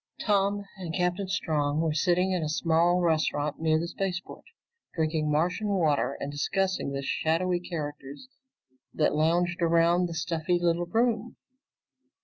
Tom and Captain Strong were sitting in a small restaurant near the spaceport, drinking Martian water and discussing the shadowy characters that lounged around the stuffy little room.